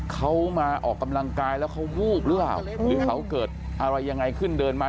เขามาออกกำลังกายแล้วเขาวูบหรือเปล่าหรือเขาเกิดอะไรยังไงขึ้นเดินมา